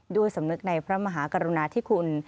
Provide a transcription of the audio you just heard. ด้วยสำนึกในพระมหากรุณาธิคุณ